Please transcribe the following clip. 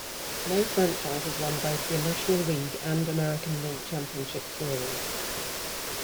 No franchise has won both the National League and American League Championship Series.